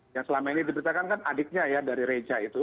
yang selama ini diberitakan kan adiknya ya dari reja itu